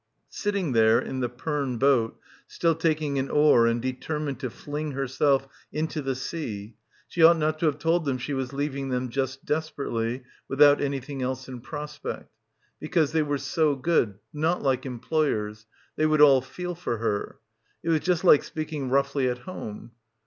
Sitting there, in the Perne boat, still taking an oar and determined to fling herself into the sea — 262 — BACKWATER ... she ought not to have told them she was leaving them just desperately, without anything else in prospect; because they were so good, not like employers. They would all feel for her. It was just like speaking roughly at home.